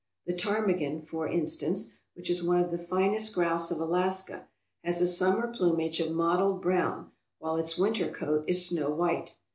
The ptarmigan, for instance, which is one of the finest grouse of Alaska, has a summer plumage of mottled brown while its winter coat is snow white.